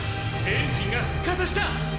エンジンが復活した。